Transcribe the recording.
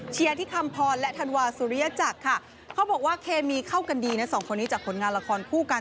ที่คำพรและธันวาสุริยจักรค่ะเขาบอกว่าเคมีเข้ากันดีนะสองคนนี้จากผลงานละครคู่กัน